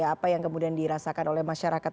apa yang kemudian dirasakan oleh masyarakat